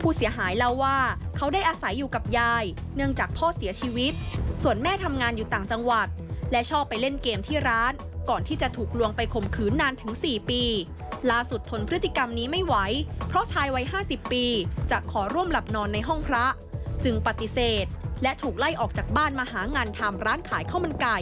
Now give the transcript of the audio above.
ผู้เสียหายเล่าว่าเขาได้อาศัยอยู่กับยายเนื่องจากพ่อเสียชีวิตส่วนแม่ทำงานอยู่ต่างจังหวัดและชอบไปเล่นเกมที่ร้านก่อนที่จะถูกลวงไปข่มขืนนานถึง๔ปีล่าสุดทนพฤติกรรมนี้ไม่ไหวเพราะชายวัย๕๐ปีจะขอร่วมหลับนอนในห้องพระจึงปฏิเสธและถูกไล่ออกจากบ้านมาหางานทำร้านขายข้าวมันไก่